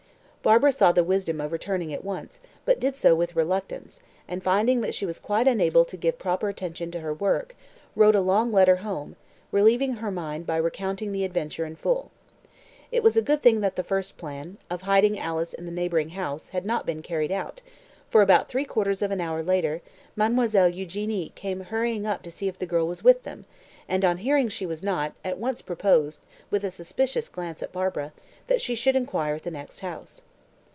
Barbara saw the wisdom of returning at once, but did so with reluctance, and, finding that she was quite unable to give proper attention to her work, wrote a long letter home, relieving her mind by recounting the adventure in full. It was a good thing that the first plan of hiding Alice in the neighbouring house had not been carried out, for, about three quarters of an hour later, Mademoiselle Eugénie came hurrying up to see if the girl was with them, and on hearing she was not, at once proposed with a suspicious glance at Barbara that she should inquire at the next house.